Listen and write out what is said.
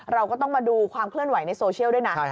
เราก็ต้องมาดูความเคลื่อนไหวในโซเชียลด้วยนะ